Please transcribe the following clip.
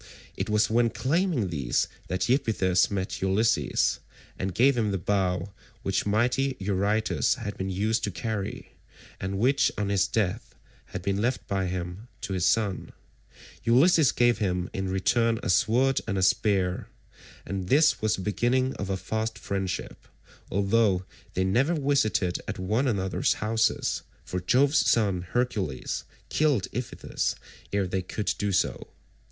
It was when claiming these that Iphitus met Ulysses, and gave him the bow which mighty Eurytus had been used to carry, and which on his death had been left by him to his son. Ulysses gave him in return a sword and a spear, and this was the beginning of a fast friendship, although they never visited at one another's houses, for Jove's son Hercules killed Iphitus ere they could do so.